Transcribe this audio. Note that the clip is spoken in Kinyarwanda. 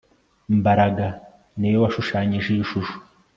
Mbaraga niwe washushanyije iyi shusho